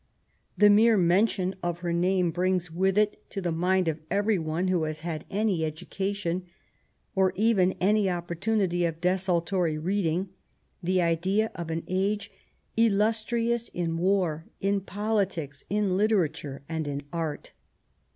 The mere mention of her name brings with it to the mind of every one who has had any education, or even any opportunity of desultory reading, the idea of an age illustrious in war, in politics, in literature, and in art.